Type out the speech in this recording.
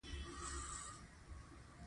برزو تر پرتوګ لاندي اغوستل کيږي.